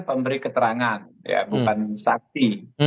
pemberi keterangan bukan saksi